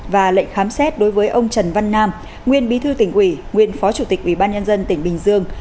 và lệnh khám xét đối với ông trần văn nam nguyên bí thư tỉnh quỷ nguyên phó chủ tịch ubnd tp bình dương